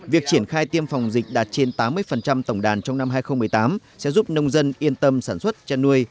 việc triển khai tiêm phòng dịch đạt trên tám mươi tổng đàn trong năm hai nghìn một mươi tám sẽ giúp nông dân yên tâm sản xuất chăn nuôi